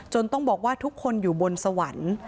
ต้องบอกว่าทุกคนอยู่บนสวรรค์